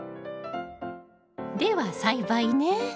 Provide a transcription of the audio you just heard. では栽培ね。